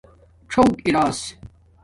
څݸک اراس